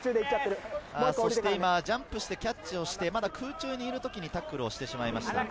ジャンプしてキャッチをして、まだ空中にいる時にタックルをしてしまいました。